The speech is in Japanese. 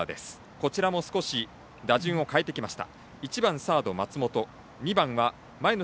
こちらも少し打順を変えてきました。